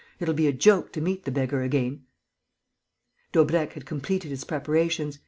It'll be a joke to meet the beggar again!" Daubrecq had completed his preparations.